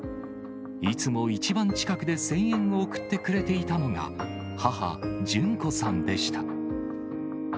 いつも一番近くで声援を送ってくれていたのが、母、淳子さんでした。